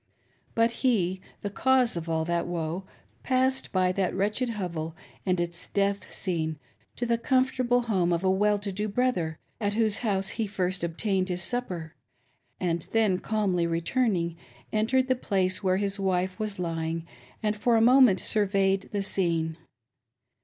But he, the cause of all that woe, passed by that wretched hovel and its death scene to the com fortable home of a well to do brother, at whose house he first obtained his supper, and then calmly returning, entered the place where his wife was lying, and for a moment surveyed the scene.